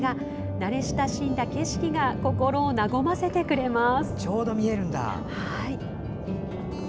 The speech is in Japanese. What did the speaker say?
慣れ親しんだ景色が心を和ませてくれます。